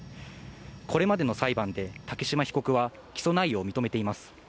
これまでの裁判で、竹島被告は起訴内容を認めています。